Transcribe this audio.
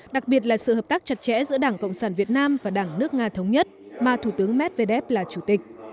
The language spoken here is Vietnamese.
đặc biệt là sự hợp tác chặt chẽ giữa đảng cộng sản việt nam và đảng nước nga thống nhất mà thủ tướng medvedev là chủ tịch